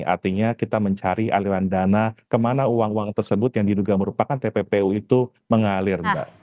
artinya kita mencari aliran dana kemana uang uang tersebut yang diduga merupakan tppu itu mengalir mbak